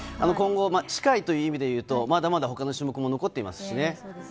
今後、近いという意味でいうと他の種目も残っていますしね。